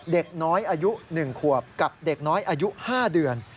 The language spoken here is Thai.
เด็กน้อยอายุ๑ขวบกับเด็กน้อยอายุ๕เดือน